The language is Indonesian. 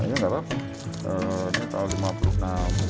ini apa ini tahun seribu sembilan ratus lima puluh enam